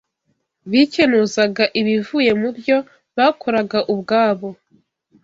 bikenuzaga ibivuye mu byo bakoraga ubwabo